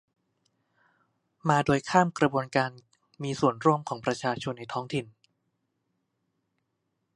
มาโดยข้ามกระบวนการมีส่วนร่วมของประชาชนในท้องถิ่น